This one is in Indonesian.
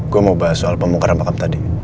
gue mau bahas soal pembongkaran makam tadi